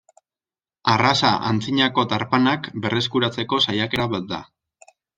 Arraza antzinako tarpanak berreskuratzeko saiakera bat da.